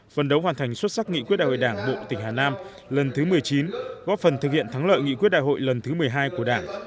phần đấu hoàn thành xuất sắc nghị quyết đại hội đảng bộ tỉnh hà nam lần thứ một mươi chín góp phần thực hiện thắng lợi nghị quyết đại hội lần thứ một mươi hai của đảng